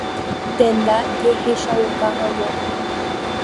Tenda jehechauka hag̃ua.